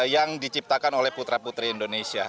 yang diciptakan oleh putra putri indonesia